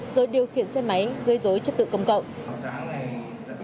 rồi điều khiển xe máy gây dối chất tự công cộng